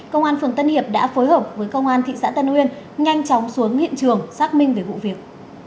công an phường tân hiệp đã phối hợp với công an thị xã tân uyên nhanh chóng xuống hiện trường xác minh về vụ việc